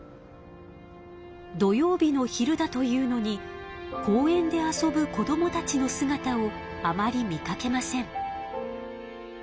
土曜日の昼だというのに公園で遊ぶ子どもたちのすがたをあまり見かけません。